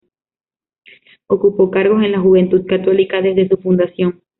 Ocupó cargos en la Juventud Católica desde su fundación.